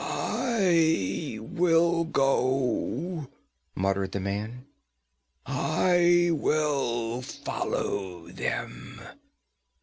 'I will go!' muttered the man. 'I will follow them!